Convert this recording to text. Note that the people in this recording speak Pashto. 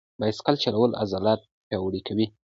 بایسکل چلول عضلات پیاوړي کوي.